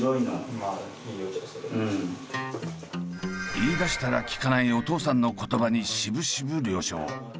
言いだしたらきかないお父さんの言葉にしぶしぶ了承。